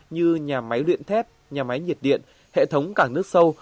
như nhà máy luyện thép nhà máy nhiệt điện hệ thống cảng nước sâu